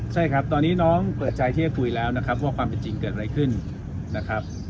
ใช่ครับตอนนี้น้องเปิดใจที่จะคุยแล้วนะครับว่าความเป็นจริงเกิดอะไรขึ้นนะครับ